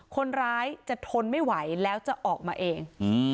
คนร้ายจะทนไม่ไหวแล้วจะออกมาเอง